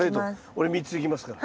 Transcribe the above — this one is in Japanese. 俺３ついきますから。